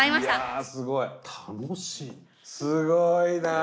すごいなあ。